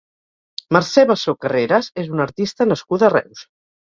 Mercè Bessó Carreras és una artista nascuda a Reus.